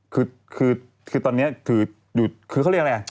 คือตอนเนี้ยคือเขาเรียกอะไรอ่ะ